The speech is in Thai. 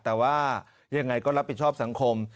แต่ว่ายังไงก็รับผิดชอบสังคม